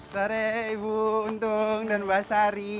sore ibu untung dan mbak sari